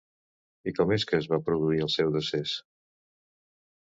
I com és que es va produir el seu decés?